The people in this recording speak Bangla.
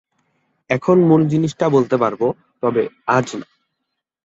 এখন মূল জিনিসটা বলতে পারব, তবে আজ না।